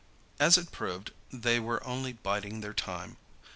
As it proved, they were only biding their time.